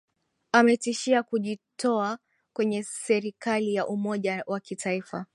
ametishia kujitoa kwenye serikali ya umoja wa kitaifa